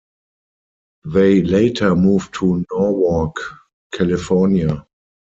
They later moved to Norwalk, California.